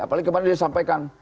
apalagi kemana dia sampaikan